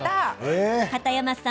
片山さん